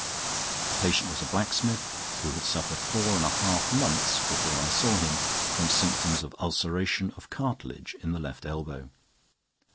The patient was a blacksmith, who had suffered four and a half months before I saw him from symptoms of ulceration of cartilage in the left elbow.